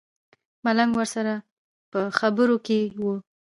ملنګ ورسره په خبرو کې و.